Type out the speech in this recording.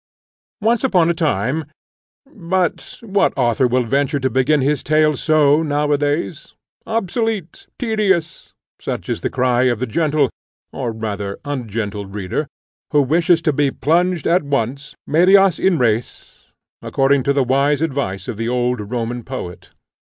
Once upon a time But what author will venture to begin his tale so now a days? Obsolete! tedious! Such is the cry of the gentle, or rather ungentle reader, who wishes to be plunged at once, medias in res, according to the wise advice of the old Roman poet.